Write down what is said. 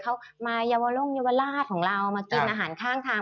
เขามาเยาวร่งเยาวราชของเรามากินอาหารข้างทาง